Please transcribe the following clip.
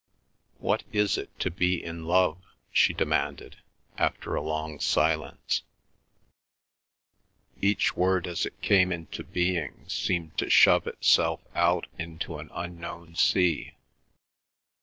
"What is it to be in love?" she demanded, after a long silence; each word as it came into being seemed to shove itself out into an unknown sea.